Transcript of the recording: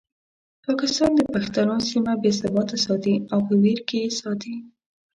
پاکستان د پښتنو سیمه بې ثباته ساتي او په ویر کې یې ساتي.